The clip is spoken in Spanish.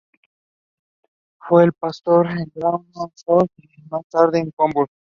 Fue pastor en Grub am Forst, y más tarde en Coburg.